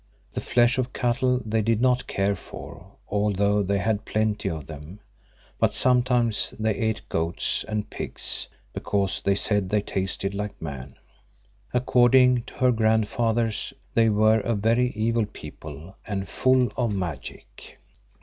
The flesh of cattle they did not care for, although they had plenty of them, but sometimes they ate goats and pigs because they said they tasted like man. According to her grandfathers they were a very evil people and full of magic.